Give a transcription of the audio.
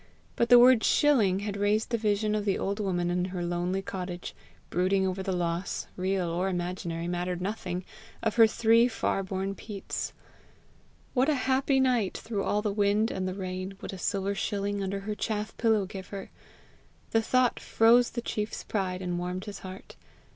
But the word SHILLING had raised the vision of the old woman in her lonely cottage, brooding over the loss, real or imaginary mattered nothing, of her three far borne peats. What a happy night, through all the wind and the rain, would a silver shilling under her chaff pillow give her! The thought froze the chief's pride, and warmed his heart.